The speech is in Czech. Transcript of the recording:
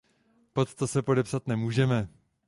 Pod to se podepsat nemůžeme.